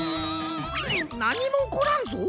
なにもおこらんぞ。